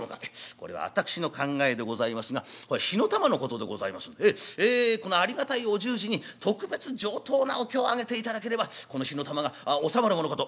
「これは私の考えでございますがこれは火の玉のことでございますのでありがたいお住持に特別上等なお経をあげていただければこの火の玉が収まるものかと」。